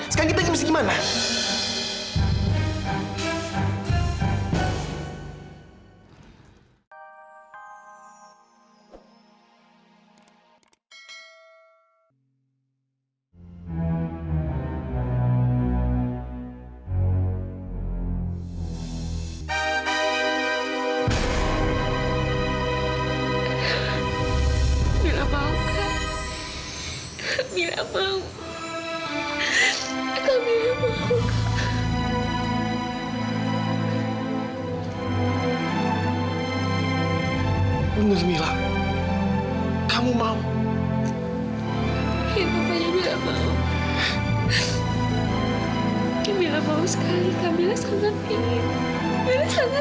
sekarang kamu pakai buat aku juga